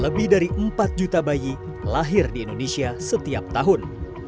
lebih dari empat juta bayi lahir di indonesia setiap tahun